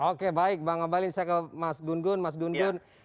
oke baik bang abang balin saya ke mas gundun